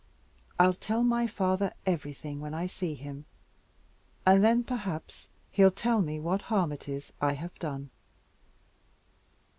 I'll tell my father everything when I see him, and then perhaps he'll tell me what harm it is I have done.